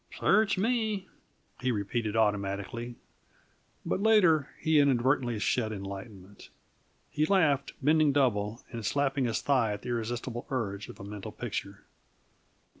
"Search me," he repeated automatically. But later he inadvertently shed enlightenment. He laughed, bending double, and slapping his thigh at the irresistible urge of a mental picture.